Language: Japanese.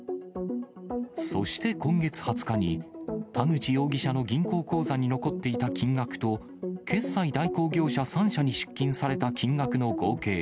そして今月２０日に、田口容疑者の銀行口座に残っていた金額と、決済代行業者３社に出金された金額の合計